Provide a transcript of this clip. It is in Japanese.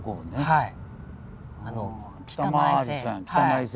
はい。